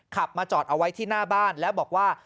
ขับมาจอดเอาไว้ที่หน้าบ้านแล้วบอกว่า